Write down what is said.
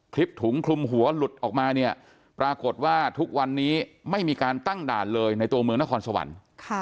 ถุงคลุมหัวหลุดออกมาเนี่ยปรากฏว่าทุกวันนี้ไม่มีการตั้งด่านเลยในตัวเมืองนครสวรรค์